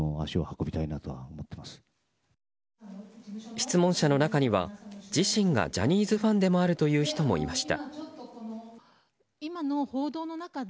質問者の中には自身がジャニーズファンでもあるという人もいました。